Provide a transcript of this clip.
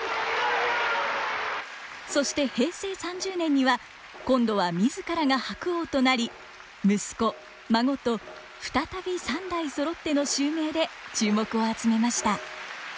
そして平成３０年には今度は自らが白鸚となり息子と孫と再び三代そろっての襲名で注目を集めました。